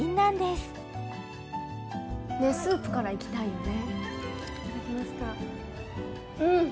スープからいきたいよね